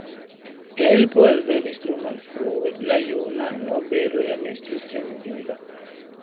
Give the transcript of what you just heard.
Helpo alvenis tro malfrue; la juna nobelo jam estis senviva.